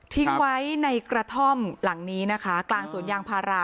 ทิ้งไว้ในกระท่อมหลังนี้นะคะกลางสวนยางพารา